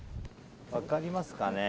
分かりますかね。